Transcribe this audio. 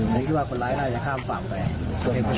มีคิดว่าคนร้ายจะข้ามฝังไปก็เห็นคนร้าย